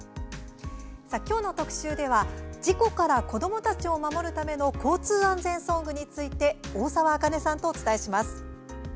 きょうの特集では事故から子どもたちを守るための交通安全ソングについて大沢あかねさんとお伝えします。